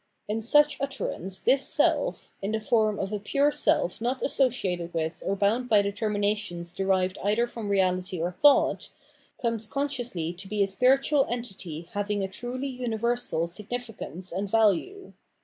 In such utterance this self,— in the forna of a pure self not associated with or bound by determina tions derived either from reality or thought, comes consciously to be a spiritual entity having a truly universal significance and value.